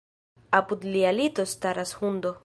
Apud lia lito staras hundo.